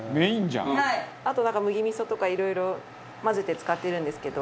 あとなんか麦味噌とかいろいろ混ぜて使ってるんですけど。